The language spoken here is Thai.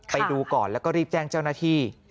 ไปดูก่อนแล้วก็รีบแจ้งเจ้าหน้าที่